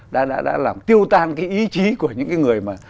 đã làm tiêu tan cái ý chí của những cái người mà